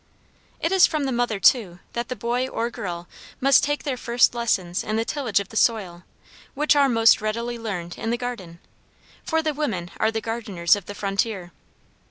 It is from the mother, too, that the boy or girl must take their first lessons in the tillage of the soil, which are most readily learned in the garden, for the women are the gardeners of the frontier.